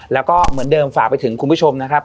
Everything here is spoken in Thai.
แล้วก็เหมือนเดิมฝากไปถึงคุณผู้ชมนะครับ